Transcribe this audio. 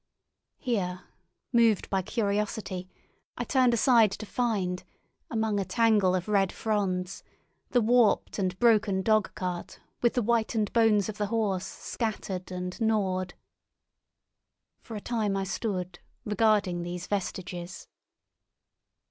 Here, moved by curiosity, I turned aside to find, among a tangle of red fronds, the warped and broken dog cart with the whitened bones of the horse scattered and gnawed. For a time I stood regarding these vestiges.